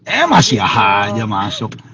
eh masih aja masuk